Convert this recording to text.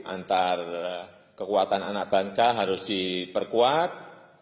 antar kekuatan anak bangsa harus diperkuat